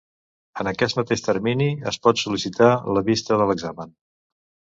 En aquest mateix termini es pot sol·licitar la vista de l'examen.